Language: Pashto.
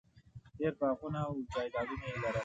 ډېر باغونه او جایدادونه یې لرل.